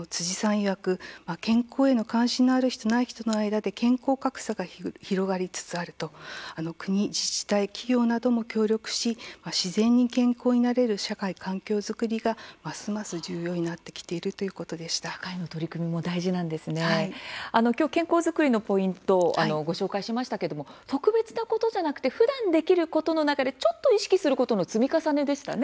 辻さんいわく健康への関心のある人とない人の間で健康格差が広がりつつある国、自治体、企業なども協力し自然に健康になれる社会環境作りがますます重要になってきている健康作りのポイントをご紹介しましたが特別なことではなくふだんできることの中でちょっと意識することの積み重ねでしたね。